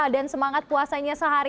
dan semangat puasanya sehari hari